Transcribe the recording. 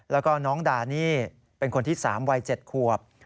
แล้วก็น้องดานี่เป็นคนที่๓วัย๗ขวบ